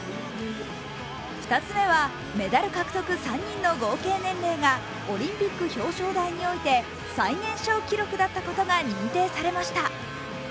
２つ目はメダル獲得３人の合計年齢がオリンピック表彰台において最年少記録だったことが認定されました。